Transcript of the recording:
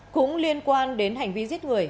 cũng liên quan đến hành vi giết người